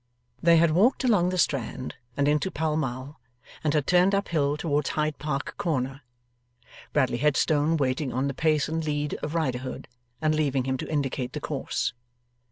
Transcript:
They had walked along the Strand, and into Pall Mall, and had turned up hill towards Hyde Park Corner; Bradley Headstone waiting on the pace and lead of Riderhood, and leaving him to indicate the course.